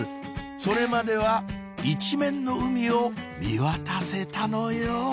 それまでは一面の海を見渡せたのよ